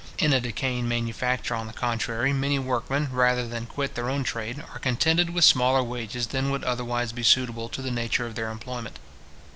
In a decaying manufacture, on the contrary, many workmen, rather than quit their own trade, are contented with smaller wages than would otherwise be suitable to the nature of their employment.